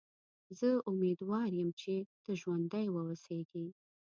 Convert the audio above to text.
زه امیدوار یم چې ته ژوندی و اوسېږې.